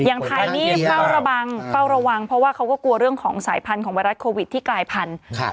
อย่างไทยนี่เฝ้าระวังเฝ้าระวังเพราะว่าเขาก็กลัวเรื่องของสายพันธุ์ของไวรัสโควิดที่กลายพันธุ์